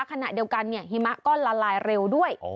ขณะเดียวกันหิมะก็ละลายเร็วด้วย